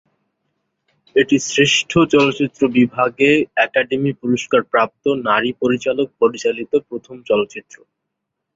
এটি শ্রেষ্ঠ চলচ্চিত্র বিভাগে একাডেমি পুরস্কার প্রাপ্ত নারী পরিচালক পরিচালিত প্রথম চলচ্চিত্র।